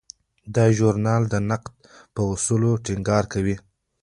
دا ژورنال د نقد په اصولو ټینګار کوي.